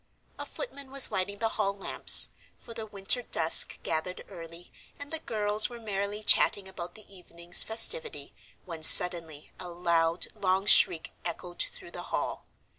A footman was lighting the hall lamps, for the winter dusk gathered early, and the girls were merrily chatting about the evening's festivity when suddenly a loud, long shriek echoed through the hall.